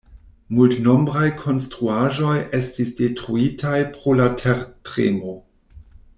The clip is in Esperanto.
Multnombraj konstruaĵoj estis detruitaj pro la tertremo.